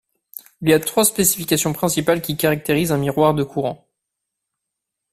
Il y a trois spécifications principales qui caractérisent un miroir de courant.